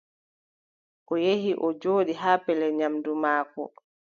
O yehi, o jooɗi haa pellel nyaamndu maako.